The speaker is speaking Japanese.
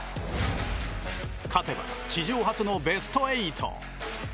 勝てば史上初のベスト８。